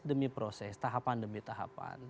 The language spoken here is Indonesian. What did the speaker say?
demi proses tahapan demi tahapan